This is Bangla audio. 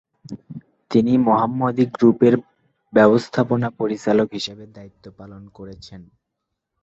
তিনি মোহাম্মদী গ্রুপের ব্যবস্থাপনা পরিচালক হিসেবে দ্বায়িত্ব পালন করছেন।